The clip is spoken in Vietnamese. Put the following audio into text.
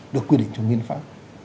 được quy định trong hiến pháp